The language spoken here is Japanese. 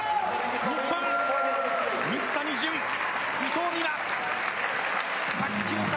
日本、水谷隼、伊藤美誠卓球界